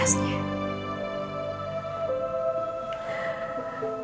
ibu andien juga adalah nafasnya